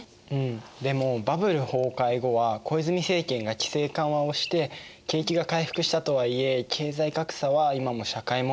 でもバブル崩壊後は小泉政権が規制緩和をして景気が回復したとはいえ経済格差は今も社会問題になっているよね。